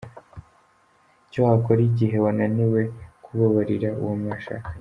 Icyo wakora igihe wananiwe kubabarira uwo mwashakanye.